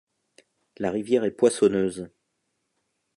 La rivière est poissonneuse.